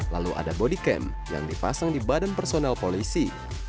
lalu ada body camp yang dipasang di badan personel polisi